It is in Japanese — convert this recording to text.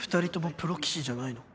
プロ棋士じゃないの？